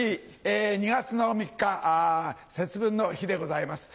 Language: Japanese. ２月の３日節分の日でございます。